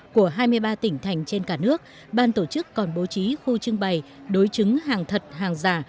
của hai mươi ba tỉnh thành trên cả nước ban tổ chức còn bố trí khu trưng bày đối chứng hàng thật hàng giả